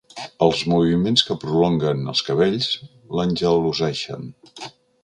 Els moviments que prolonguen els cabells l'engeloseixen.